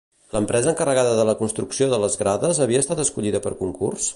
L'empresa encarregada de la construcció de les grades havia estat escollida per concurs?